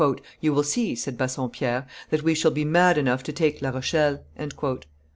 "You will see," said Bassompierre, "that we shall be mad enough to take La Rochelle."